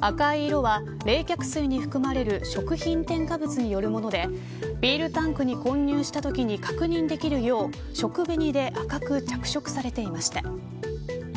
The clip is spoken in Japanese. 赤い色は冷却水に含まれる食品添加物によるものでビールタンクに混入したときに確認できるよう食紅で赤く着色されていました。